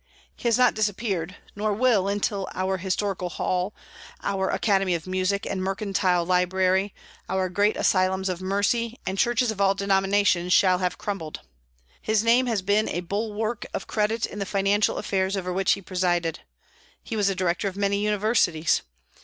He has not disappeared, nor will until our Historical Hall, our Academy of Music, and Mercantile Library, our great asylums of mercy, and churches of all denominations shall have crumbled. His name has been a bulwark of credit in the financial affairs over which he presided. He was a director of many universities.